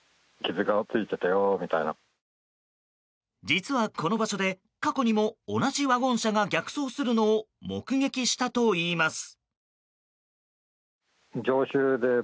実はこの場所で過去にも同じワゴン車が逆走するのを目撃したといいます。